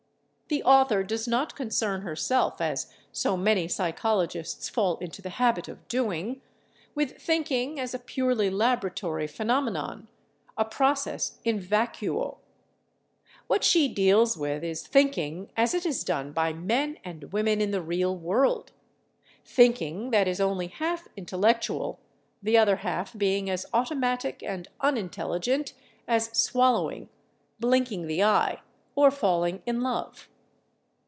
The author does not concern herself, as so many psychologists fall into the habit of doing, with thinking as a purely laboratory phenomenon, a process in vacuo. What she deals with is thinking as it is done by men and women in the real world—thinking that is only half intellectual, the other half being as automatic and unintelligent as swallowing, blinking the eye or falling in love.